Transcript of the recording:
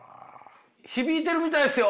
響いてるみたいっすよ。